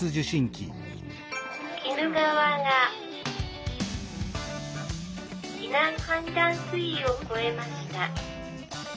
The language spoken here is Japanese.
「鬼怒川が避難判断水位を超えました」。